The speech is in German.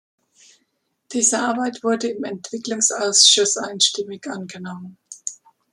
Diese Arbeit wurde im Entwicklungsausschuss einstimmig angenommen.